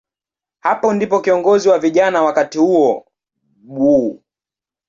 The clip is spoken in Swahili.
Hapo ndipo kiongozi wa vijana wakati huo, Bw.